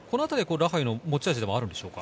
ラハユの持ち味でもあるんでしょうか。